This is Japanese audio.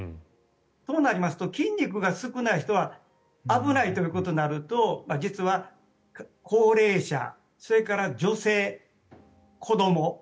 となりますと筋肉が少ない人は危ないということになると実は高齢者それから女性、子ども。